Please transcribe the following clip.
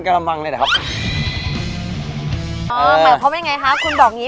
กะบังเลยแหละครับอ๋อหมายความว่ายังไงคะคุณบอกงี้